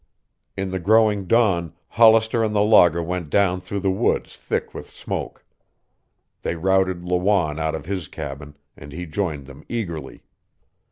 In the growing dawn, Hollister and the logger went down through woods thick with smoke. They routed Lawanne out of his cabin, and he joined them eagerly.